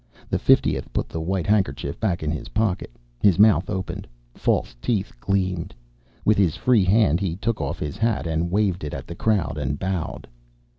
The fiftieth put the white handkerchief back in his pocket. His mouth opened. False teeth gleamed. With his free hand he took off his hat and waved it at the crowd and bowed.